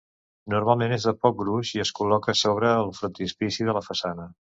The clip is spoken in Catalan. Normalment és de poc gruix i es col·loca sobre el frontispici de la façana.